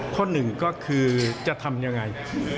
ข้อหนึ่งก็คือจะทำยังไง